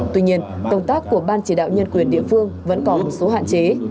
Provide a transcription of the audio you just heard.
tuy nhiên công tác của ban chỉ đạo nhân quyền địa phương vẫn có một số hạn chế